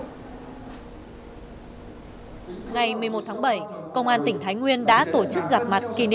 ngày một mươi một tháng bảy công an tỉnh thái nguyên đã tổ chức gặp các tầng lớp nhân dân